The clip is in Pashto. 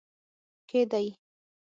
کې دی